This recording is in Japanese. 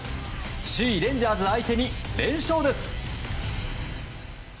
首位レンジャーズ相手に連勝です！